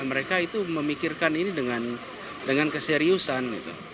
mereka itu memikirkan ini dengan keseriusan